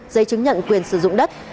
giấy chứng nhận quyền sử dụng đất